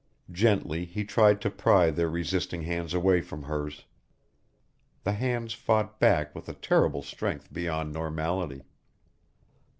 Gently he tried to pry their resisting hands away from hers. The hands fought back with a terrible strength beyond normality.